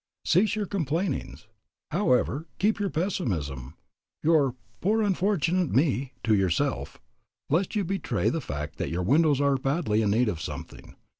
Cease your complainings, however; keep your pessimism, your "poor, unfortunate me" to yourself, lest you betray the fact that your windows are badly in need of something.